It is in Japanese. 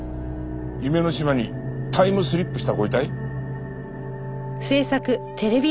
夢の島にタイムスリップしたご遺体？